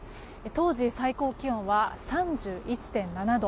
当時、最高気温は３１．７度。